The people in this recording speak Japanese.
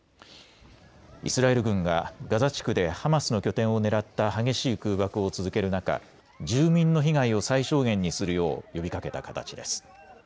イスラエル軍がガザ地区でハマスの拠点を狙った激しい空爆を続ける中、住民の被害を最小限にするよう呼びかけた形です。